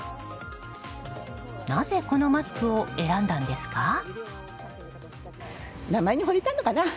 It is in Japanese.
なぜこのマスクを選んだんですか？